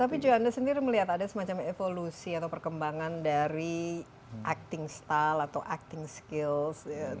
tapi johannes sendiri melihat ada semacam evolusi atau perkembangan dari acting style atau acting skills